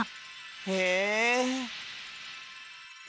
へえ。